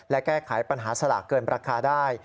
และแก้ไขปัญหาสลากเกินราคาได้